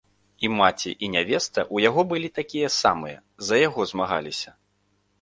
І маці, і нявеста ў яго былі такія самыя, за яго змагаліся.